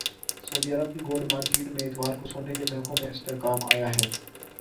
سعودی عرب کی gold market میں اتوار کو سونے کے نرخوں میں استحکام آیا ہے